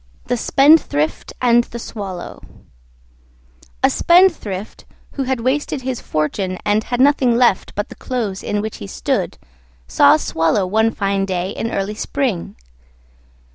THE SPENDTHRIFT AND THE SWALLOW A Spendthrift, who had wasted his fortune, and had nothing left but the clothes in which he stood, saw a Swallow one fine day in early spring.